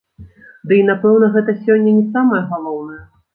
Дый, напэўна, гэта сёння не самае галоўнае!